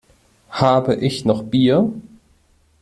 Habe ich noch Bier?